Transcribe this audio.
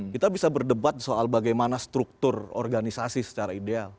kita bisa berdebat soal bagaimana struktur organisasi secara ideal